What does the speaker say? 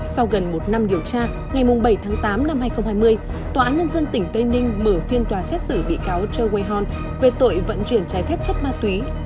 sau gần một năm điều tra ngày bảy tháng tám năm hai nghìn hai mươi tòa án nhân dân tỉnh tây ninh mở phiên tòa xét xử bị cáo trơ way hon về tội vận chuyển trái phép chất ma túy